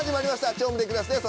『超無敵クラス』です。